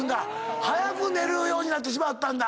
早く寝るようになってしまったんだ。